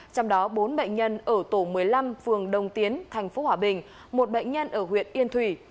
trong đó bốn bệnh nhân ở tổ một mươi năm phường đông tiến tp hòa bình một bệnh nhân ở huyện yên thủy